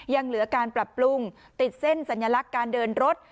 ยังเหลือการปรับปรุงติดเส้นสัญลักษณ์การเดินรถ